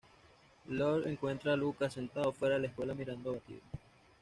Lloyd encuentra a Lucas sentado fuera de la escuela, mirando abatido.